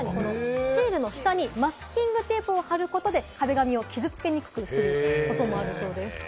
さらにシールの下にマスキングテープを貼ることで、壁紙を傷付けにくくすることもあるそうです。